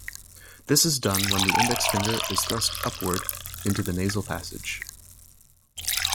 This is done when the index finger is thrust upward into the nasal passage.